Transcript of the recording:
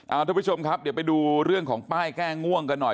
เอาทุกผู้ชมครับเดี๋ยวไปดูเรื่องของป้ายแก้ง่วงกันหน่อย